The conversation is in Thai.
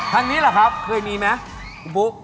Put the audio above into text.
ทางนี้แหละครับเคยมีไหมคุณบุ๊ค